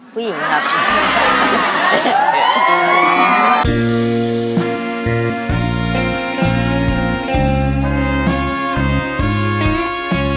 ผู้หญิงครับ